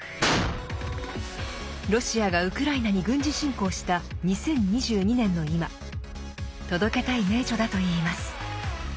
ロシアがウクライナに軍事侵攻した２０２２年の今届けたい名著だといいます。